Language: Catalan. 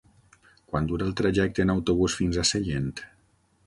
Quant dura el trajecte en autobús fins a Sellent?